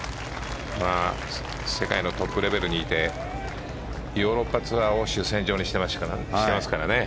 世界のトップレベルにいてヨーロッパツアーを主戦場にしてますからね。